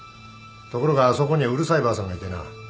ところがあそこにはうるさいばあさんがいてな。